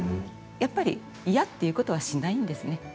やっぱり嫌っていうことはしないんですね。